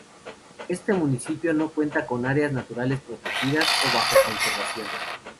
Este municipio no cuenta con áreas naturales protegidas o bajo conservación.